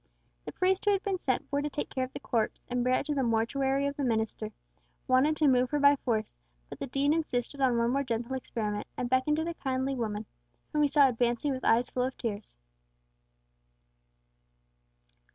The priest who had been sent for to take care of the corpse, and bear it to the mortuary of the Minster, wanted to move her by force; but the Dean insisted on one more gentle experiment, and beckoned to the kindly woman, whom he saw advancing with eyes full of tears.